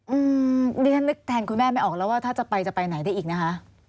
อืมดิฉันนึกแทนคุณแม่ไม่ออกแล้วว่าถ้าจะไปจะไปไหนได้อีกนะคะ